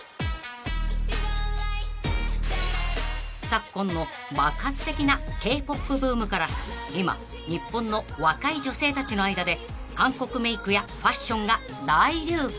［昨今の爆発的なＫ−ＰＯＰブームから今日本の若い女性たちの間で韓国メイクやファッションが大流行］